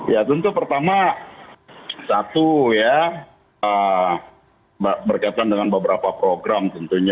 ya tentu pertama satu ya berkaitan dengan beberapa program tentunya